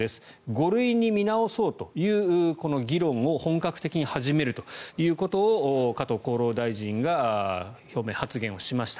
５類に見直そうというこの議論を本格的に始めるということを加藤厚労大臣が表明、発言しました。